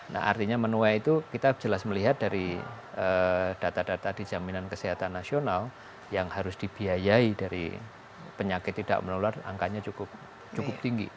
nah artinya menuai itu kita jelas melihat dari data data di jaminan kesehatan nasional yang harus dibiayai dari penyakit tidak menular angkanya cukup tinggi